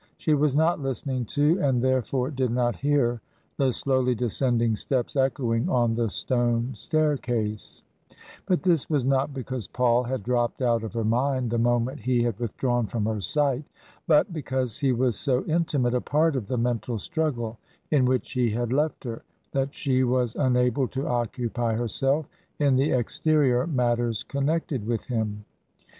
She was not listening to, and therefore did not hear, the slowly descending steps echoing on the stone staircase ; but this was not because Paul had dropped out of her mind the moment he had withdrawn from her sight, but because he was so intimate a part of the mental struggle in which he had left her, that she was unable to occupy herself in the exterior matters connected with him.